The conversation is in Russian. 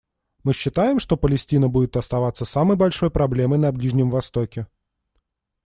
Мы считаем, что Палестина будет оставаться самой большой проблемой на Ближнем Востоке.